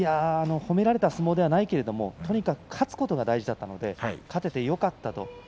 褒められた相撲ではないけどとにかく勝つことが大事だったので勝ててよかったと。